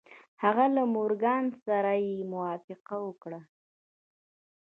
هغه له مورګان سره يې موافقه وکړه.